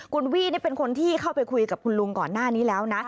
คุณวี่นี่เป็นคนที่เข้าไปคุยกับคุณลุงก่อนหน้านี้แล้วนะ